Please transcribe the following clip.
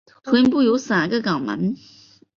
臀部有三个肛门。